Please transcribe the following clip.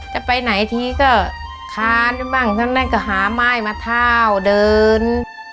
จะไปไหนทีก็คานบ้างทั้งนั้นก็หาไม้มาเท่าเดิน